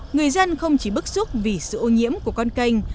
người dân không chỉ bức xúc vì sự ô nhiễm của con canh